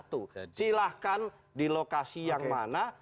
jadi silahkan di lokasi yang mana